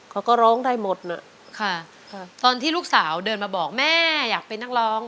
เขาก็ร้องได้หมดน่ะค่ะตอนที่ลูกสาวเดินมาบอกแม่อยากเป็นนักร้อง